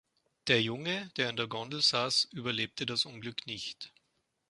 Der Junge, der in der Gondel saß, überlebte das Unglück nicht.